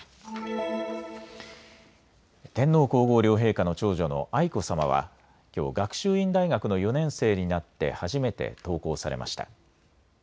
天皇皇后両陛下の長女の愛子さまはきょう学習院大学の４年生になって初めて登校されました。